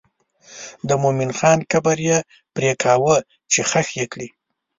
د مومن خان قبر یې پرېکاوه چې ښخ یې کړي.